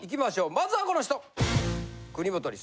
まずはこの人！